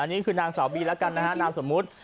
นี่คือนางสาวบีแล้วกันนะฮะนามสมมุติ